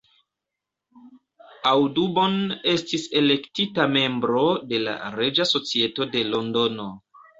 Audubon estis elektita membro de la Reĝa Societo de Londono.